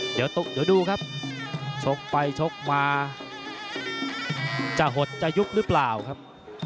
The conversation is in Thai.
เดี๋ยวดูครับชกไปชกมาจะหดจะยุบหรือเปล่าครับ